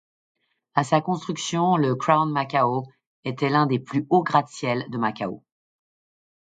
À sa construction le Crown Macau était l'un des plus hauts gratte-ciel de Macao.